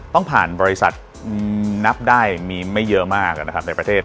ต้องผ่านบริษัทนับได้มีไม่เยอะมากนะครับในประเทศ